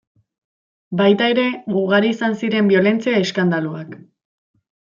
Baita ere ugari izan ziren biolentzia eskandaluak.